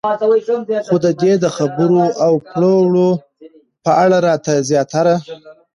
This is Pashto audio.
خو د دې د خبرو او کړو وړو په اړه راته زياتره